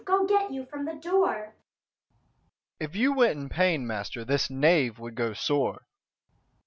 go get you from the door. Dro. E. If you went in pain, master, this 'knave' would go sore.